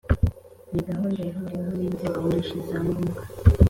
ni gahunda ihuriweho n'inzego nyinshi za ngombwa.